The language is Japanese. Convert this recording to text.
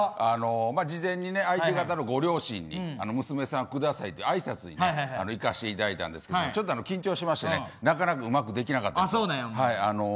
事前に相手方のご両親に娘さん下さいってあいさつ行かせていただいたんですけどちょっと緊張しましてなかなかうまくできなかったんです。